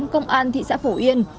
công an thị xã phổ yên